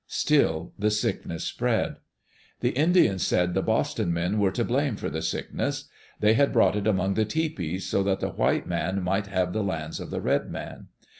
Still the sickness spread. The Indians said the "Boston men" were to blame for the sickness. They had brought it among the tepees so that the white man might have the lands of the red man.